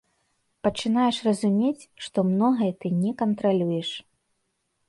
Пачынаеш разумець, што многае ты не кантралюеш.